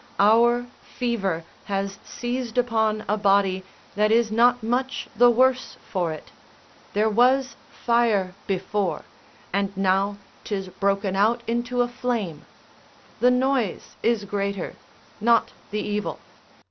Our fever has seized upon a body that is not much the worse for it; there was fire before, and now 'tis broken out into a flame; the noise is greater, not the evil.